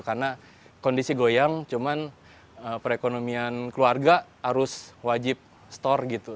karena kondisi goyang cuman perekonomian keluarga harus wajib store gitu